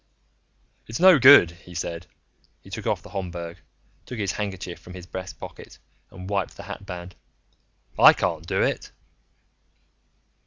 "It's no good," he said. He took off the Homburg, took his handkerchief from his breast pocket, and wiped the hatband. "I can't do it."